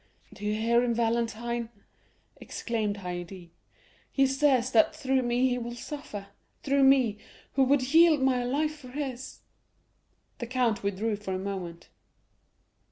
"Do you hear him, Valentine?" exclaimed Haydée; "he says that through me he will suffer—through me, who would yield my life for his." The count withdrew for a moment.